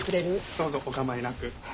どうぞお構いなく。